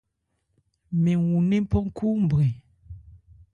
Mɛn wu ńnephan khúúnbrɛn.